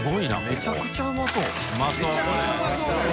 めちゃくちゃうまそうだよね。